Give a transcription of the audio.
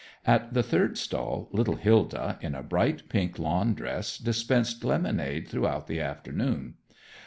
At the third stall, little Hilda, in a bright pink lawn dress, dispensed lemonade throughout the afternoon.